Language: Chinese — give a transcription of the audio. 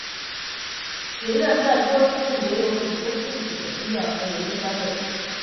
学院在波士顿也有许多附属的医院和研究单位。